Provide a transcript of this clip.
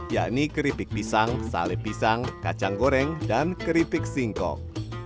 yakni keripik pisang sale pisang kacang goreng dan keripik singkong